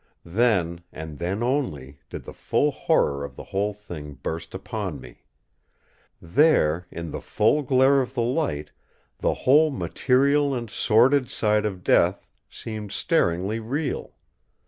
Then, and then only, did the full horror of the whole thing burst upon me! There, in the full glare of the light, the whole material and sordid side of death seemed staringly real.